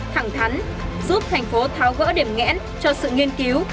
thẳng thắn giúp thành phố tháo gỡ điểm nghẽn cho sự nghiên cứu